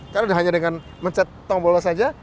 karena udah hanya dengan mencet tombolnya saja